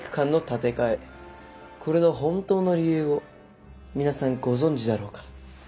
これの本当の理由を皆さんご存じだろうか。